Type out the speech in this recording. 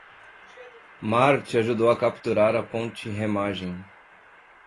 Marty ajudou a capturar a ponte Remagen.